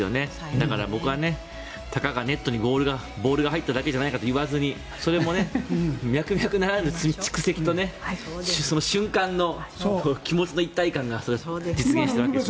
だから僕はたかがネットにボールが入っただけじゃないかと言わずにそれも脈々ならぬ蓄積と瞬間の気持ちの一体感が実現しているわけです。